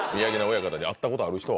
親方に会ったことある人は？